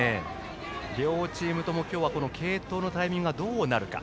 両チームとも継投のタイミングがどうなるか。